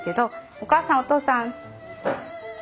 お母さんお父さん。